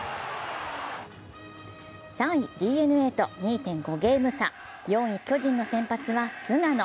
３位・ＤｅＮＡと２．５ゲーム差、４位・巨人の先発は菅野。